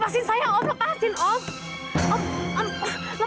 lepasin saya om lepasin om